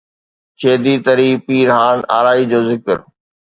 چيدي تري پيرھان آرائي جو ذڪر